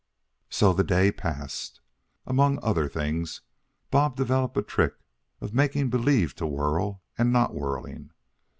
So the day passed. Among other things, Bob developed a trick of making believe to whirl and not whirling.